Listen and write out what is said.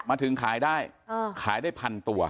มาถึงขายได้ขายได้พันตัว